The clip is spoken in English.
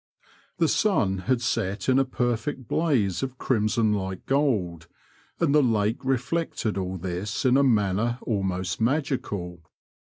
The sun had set in a perfect blaze of crimson like gold, and the lake reflected all this in a manner almost magical.